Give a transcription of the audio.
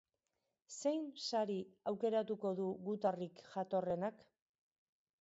Zein sari aukeratuko du gutarrik jatorrenak?